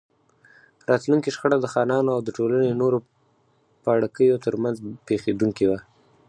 راتلونکې شخړه د خانانو او د ټولنې نورو پاړکیو ترمنځ پېښېدونکې وه.